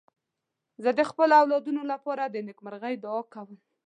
زه د خپلو اولادونو لپاره د نېکمرغۍ دعا کوم.